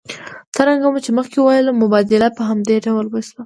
څرنګه مو چې مخکې وویل مبادله په همدې ډول وشوه